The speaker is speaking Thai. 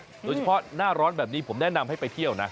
โดยเฉพาะหน้าร้อนแบบนี้ผมแนะนำให้ไปเที่ยวนะ